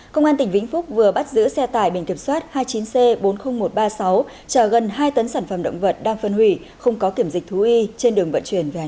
công an tỉnh vĩnh phúc vừa bắt giữ xe tải biển kiểm soát hai mươi chín c bốn mươi nghìn một trăm ba mươi sáu chở gần hai tấn sản phẩm động vật đang phân hủy không có kiểm dịch thú y trên đường vận chuyển về hà nội